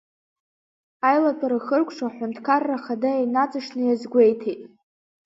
Аилатәара хыркәшо, аҳәынҭқарра ахада инаҵшьны иазгәеиҭеит…